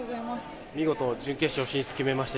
見事、準決勝進出決めました。